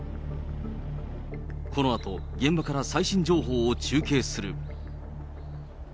このあと、現場から最新情報を中継する。